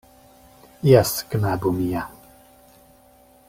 Jes, knabo mia.